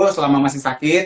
selama masih sakit